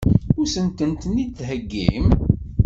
Ad sent-ten-id-theggim?